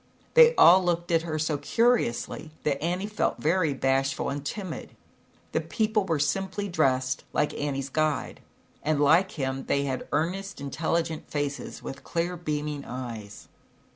They all looked at her so curiously that Annie felt very bashful and timid. The people were simply dressed, like Annie's guide, and like him, they had earnest, intelligent faces, with clear beaming eyes.